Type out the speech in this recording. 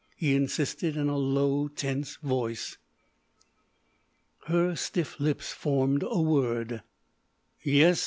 he insisted in a low, tense voice. Her stiff lips formed a word. "Yes!"